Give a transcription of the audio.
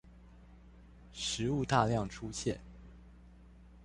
食物大量出現